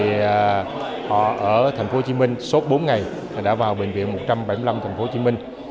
trước đó họ ở thành phố hồ chí minh sốt bốn ngày và đã vào bệnh viện một trăm bảy mươi năm thành phố hồ chí minh